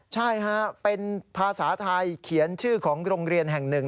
ใช่ฮะเป็นภาษาไทยเขียนชื่อของโรงเรียนแห่งหนึ่ง